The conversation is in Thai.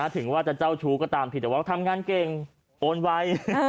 ถึงว่าจะเจ้าชู้ก็ตามผิดแต่ว่าทำงานเก่งโอนไว